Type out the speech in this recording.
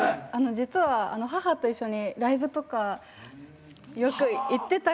実は母と一緒にライブとかよく行ってたんです。